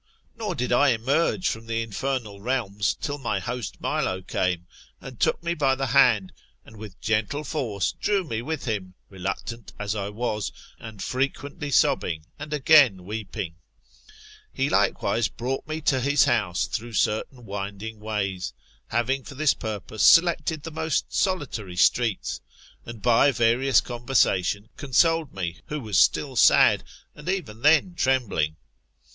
Nor did I emerge from the infernal realms, till my host Milo came, and took me by the hand, and with gentle force drew me with him, reluctant as I was, and frequently sobbing and weeping. He, likewise, brought me to his house through certain winding ways, having for this purpose selected the most solitary streets, and by various conversation consoled me, who was still sad, and even then trembling [through my recent terror.